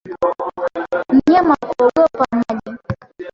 Mnyama kuogopa maji